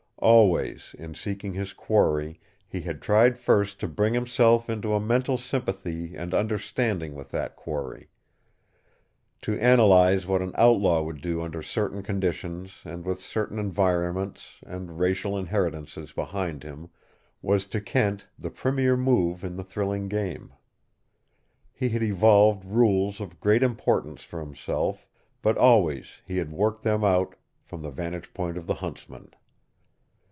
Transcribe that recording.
Always, in seeking his quarry, he had tried first to bring himself into a mental sympathy and understanding with that quarry. To analyze what an outlaw would do under certain conditions and with certain environments and racial inheritances behind him was to Kent the premier move in the thrilling game. He had evolved rules of great importance for himself, but always he had worked them out from the vantage point of the huntsman.